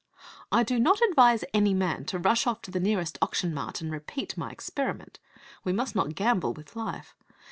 I do not advise any man to rush off to the nearest auction mart and repeat my experiment. We must not gamble with life.